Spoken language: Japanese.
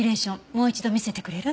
もう一度見せてくれる？